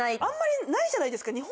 あんまりないじゃないですか。